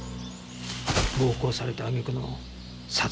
暴行された揚げ句の殺害だ。